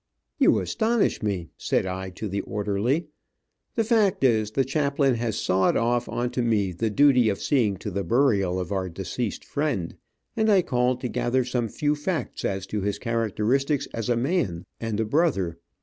"You astonish, me," said I to the orderly. "The fact is, the chaplain has sawed off on to me the duty of seeing to the burial of our deceased friend, and I called to gather some few facts as to his characteristics as a man and a brother.